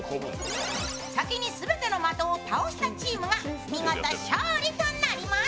先に全ての的を倒したチームが見事勝利となります。